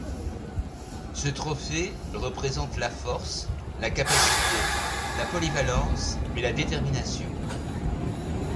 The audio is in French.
Ce trophée représente la force, la capacité, la polyvalence et la détermination.